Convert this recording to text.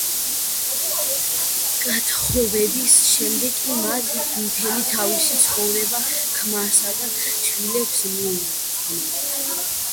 გათხოვების შემდეგ კი მან მთელი თავისი ცხოვრება ქმარსა და შვილებს მიუძღვნა.